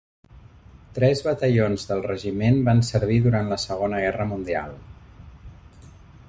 Tres batallons del regiment van servir durant la Segona Guerra Mundial.